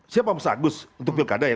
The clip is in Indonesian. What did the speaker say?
siapa mas agus untuk pilkada ya